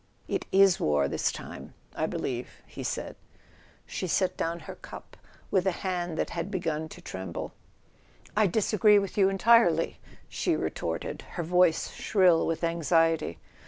"It is war, this time, I believe," he said. She set down her cup with a hand that had begun to tremble. A SON AT THE FRONT "I disagree with you entirely," she retorted, her voice shrill with anxiety.